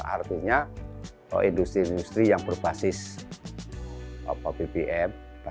artinya industri industri yang berbasis bbm